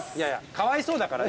かわいそうだから。